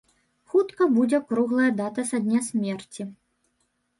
Хутка будзе круглая дата са дня смерці.